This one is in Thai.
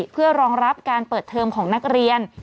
เพื่อรองรับการเปิดเทอมของนักเรียน